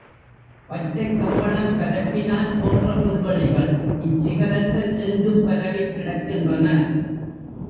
பச்சைக் கம்பளம் பரப்பினாற் போன்ற புல்வெளிகள் இச்சிகரத்தில் எங்கும் பரவிக் கிடக்கின்றன.